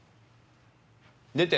出て。